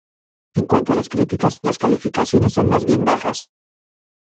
En cuanto a las críticas, las calificaciones son más bien bajas.